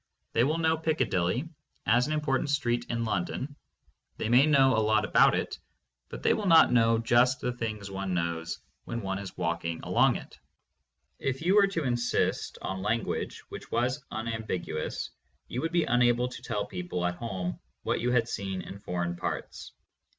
They will know Piccadilly as an important street in London; they may know a lot about it, but they will not know just the things one knows when one is walking along it. If you were to insist on language which was unam biguous, you would be unable to tell people at home what you had seen in foreign parts.